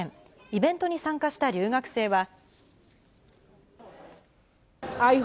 イベントに参加した留学生は。